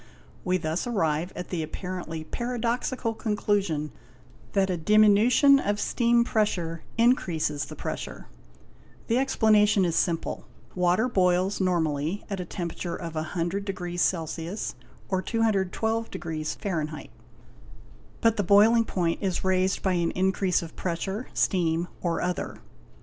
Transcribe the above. We thus arrive at the apparently paradoxical conclusion that a diminution of steam pressure increases the pressure. The explanation is simple; water boils normally at a temper ature of 100°C or 212°F, but the boiling point is raised by an increase of pressure, steam or other.